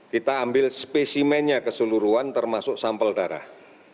kita ambil spesimennya keseluruhan termasuk sampel darah